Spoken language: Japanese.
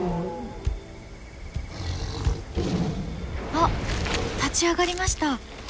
あっ立ち上がりました。